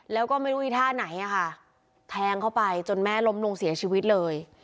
แล้วก็ไม่รู้อีท่าไหนอะค่ะแทงเข้าไปจนแม่ล้มลงเสียชีวิตเลย